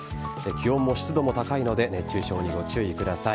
気温も湿度も高いので熱中症にご注意ください。